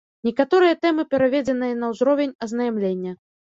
Некаторыя тэмы пераведзеныя на ўзровень азнаямлення.